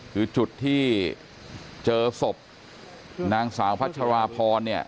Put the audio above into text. คือจุดที่เจอศพนางสาวพัชราพรเนี่ย